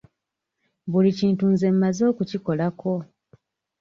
Buli kintu nze mmaze okukikolako.